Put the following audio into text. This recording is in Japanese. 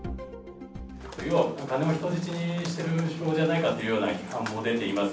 要はお金を人質にしてるんじゃないかという批判も出ています。